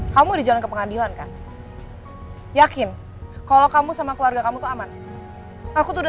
kamu di jalan ke pengadilan kan yakin kalau kamu sama keluarga kamu tuh aman aku tuh udah